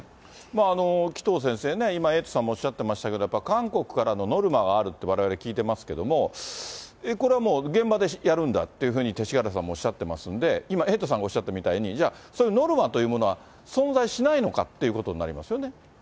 紀藤先生ね、今、エイトさんもおっしゃってましたけど、韓国からのノルマはあるとわれわれ聞いてますけども、これはもう、現場でやるんだっていうふうに勅使河原さんもおっしゃってますんで、エイトさんがおっしゃったみたいに、じゃあ、そういうノルマというものは存在しないのかっていうことになりますよね。